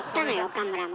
岡村も。